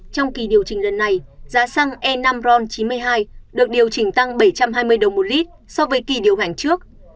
trong kỳ điều chỉnh lần này giá xăng e năm ron chín mươi hai được điều chỉnh tăng bảy trăm hai mươi đồng một lít so với kỳ điều hành trước